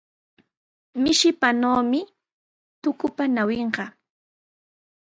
Mishipanawmi tukupa ñawinqa.